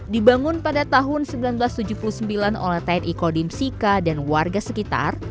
dibangun pada tahun seribu sembilan ratus tujuh puluh sembilan oleh tni kodim sika dan warga sekitar